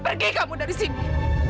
pergi kamu dari sini